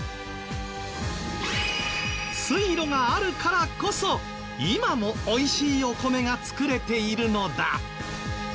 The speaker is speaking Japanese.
水路があるからこそ今も美味しいお米が作れているのだ。